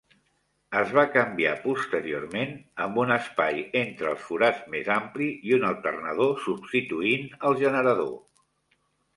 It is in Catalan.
Es va canviar posteriorment, amb un espai entre els forats més ampli i un alternador substituint el generador.